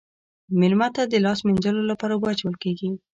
میلمه ته د لاس مینځلو لپاره اوبه اچول کیږي.